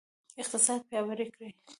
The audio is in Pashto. اقتصاد پیاوړی کړئ